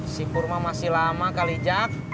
sipur mah masih lama kali cak